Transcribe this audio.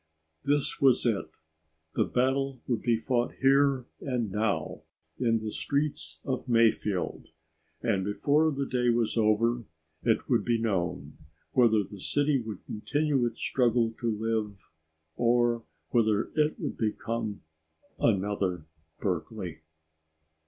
This was it. The battle would be fought here and now, in the streets of Mayfield, and before the day was over it would be known whether the city would continue its struggle to live or whether it would become another Berkeley.